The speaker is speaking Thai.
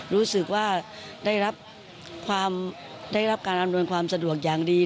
รู้สึกว่าได้รับความได้รับการอำนวยความสะดวกอย่างดี